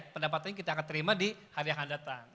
pendapatan kita akan terima di hari yang akan datang